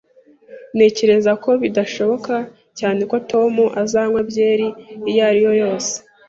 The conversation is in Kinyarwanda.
Ntekereza ko bidashoboka cyane ko Tom azanywa byeri iyo ari yo yose